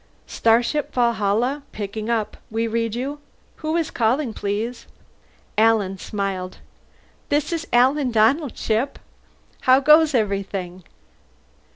"Starship Valhalla picking up. We read you. Who is calling, please?" Alan smiled. "This is Alan Donnell, Chip. How goes everything?"